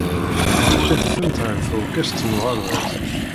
Ad tadfemt ɣer tuṛkist n uɣerbaz.